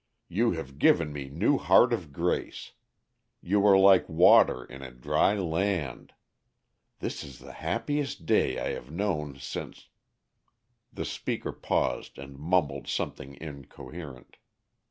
You have given me new heart of grace; you are like water in a dry land. This is the happiest day I have known since " The speaker paused and mumbled something incoherent.